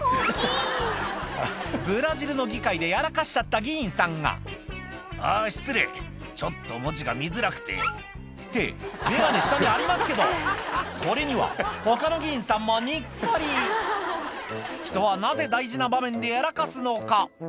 ブラジルの議会でやらかしちゃった議員さんが「あぁ失礼ちょっと文字が見づらくて」って眼鏡下にありますけどこれには他の議員さんもにっこり人はなぜ大事な場面でやらかすのか？